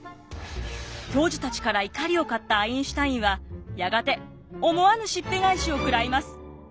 教授たちから怒りを買ったアインシュタインはやがて思わぬしっぺ返しを食らいます。